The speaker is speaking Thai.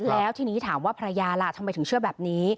แล้วทีนี้ถามว่าภรรยาล่ะทำไมถึงเชื่อแบบนี้